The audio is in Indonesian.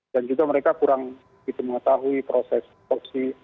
dan juga mereka kurang mengetahui proses atopsi